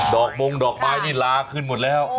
มงดอกไม้นี่ลาขึ้นหมดแล้ว